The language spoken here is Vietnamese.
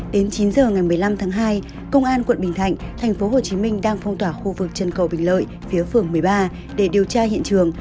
đến chín giờ ngày một mươi năm tháng hai công an quận bình thạnh tp hcm đang phong tỏa khu vực chân cầu bình lợi phía phường một mươi ba để điều tra hiện trường